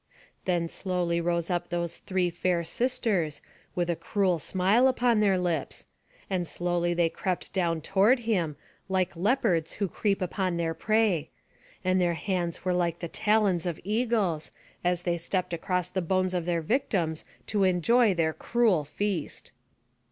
Then slowly rose up those three fair sisters, with a cruel smile upon their lips; and slowly they crept down toward him, like leopards who creep upon their prey; and their hands were like the talons of eagles, as they stept across the bones of their victims to enjoy their cruel feast.